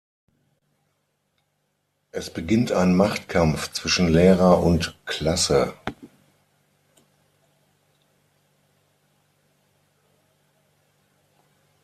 Es beginnt ein Machtkampf zwischen Lehrer und Klasse.